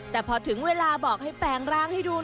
แต่พอถึงเวลาบอกให้แปลงร่างให้ดู